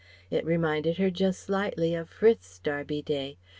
It reminded her just slightly of Frith's Derby Day.